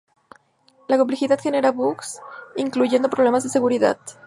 La complejidad genera bugs, incluyendo problemas de seguridad.